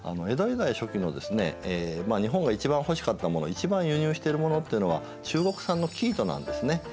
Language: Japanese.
江戸時代初期のですね日本が一番欲しかったもの一番輸入しているものっていうのは中国産の生糸なんですね。